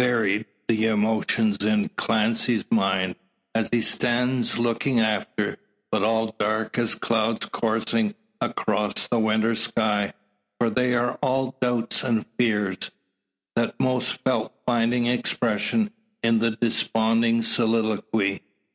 Varied the emotions in Clancy's mind, as he stands looking after; but all dark as clouds coursing across a winter's sky. For they are all doubts and fears; that most felt finding expression in the desponding soliloquy.